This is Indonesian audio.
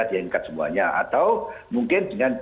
diangkat semuanya atau mungkin dengan